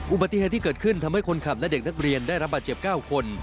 อุบัติเหตุที่เกิดขึ้นทำให้คนขับและเด็กนักเรียนได้รับบาดเจ็บ๙คน